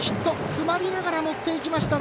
詰まりながら持っていきました